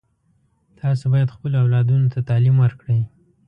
تاسو باید خپلو اولادونو ته تعلیم ورکړئ